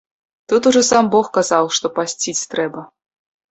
Тут ужо сам бог казаў, што пасціць трэба.